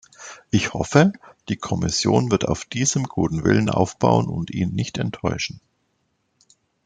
Ich hoffe, die Kommission wird auf diesem guten Willen aufbauen und ihn nicht enttäuschen.